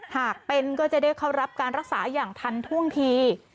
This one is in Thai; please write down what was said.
หากเป็นก็จะได้เข้ารับการรักษาอย่างทันท่วงที